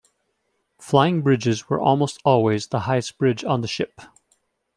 Flying bridges were almost always the highest bridge on the ship.